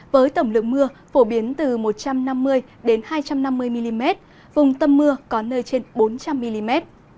với tổng lượng mưa phổ biến từ một trăm năm mươi hai trăm năm mươi mm vùng tâm mưa có nơi trên bốn trăm linh mm